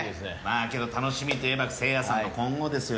けど楽しみといえばせいやさんの今後ですよ